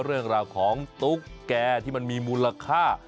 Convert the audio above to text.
เรื่องราวของตุ๊กแก่ที่มันมีมูลค่า